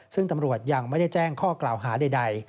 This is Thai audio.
ซึ่งตำรวจยังไม่ได้แจ้งข้อกล่าวหาใด